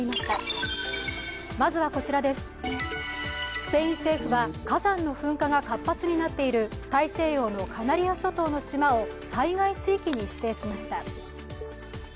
スペイン政府は火山の噴火が活発になっている大西洋のカナリア諸島の島を災害地域に指定しました。